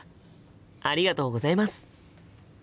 ありがとうございます。